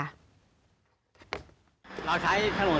ลูกการณ์ได้ฟังไหมครับ